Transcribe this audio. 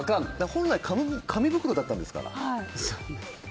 本来、紙袋だったんですから。